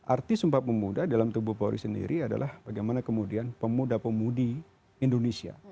arti sumpah pemuda dalam tubuh polri sendiri adalah bagaimana kemudian pemuda pemudi indonesia